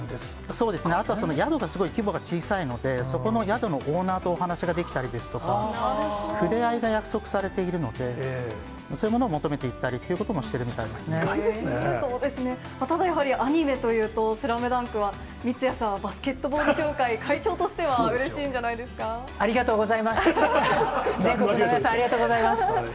そうですね、あとは宿がすごい規模が小さいので、そこの宿のオーナーとお話ができたりですとか、触れ合いが約束されていますので、そういうものを求めて行ったりとただやっぱり、アニメというと、スラムダンクは三屋さんはバスケットボール協会会長としては、ありがとうございます。全国の皆さん、ありがとうございます。